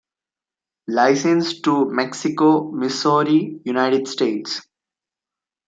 Licensed to Mexico, Missouri, United States.